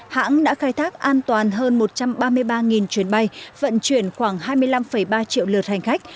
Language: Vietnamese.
hãng đã khai thác an toàn hơn một trăm ba mươi ba chuyến bay vận chuyển khoảng hai mươi năm ba triệu lượt hành khách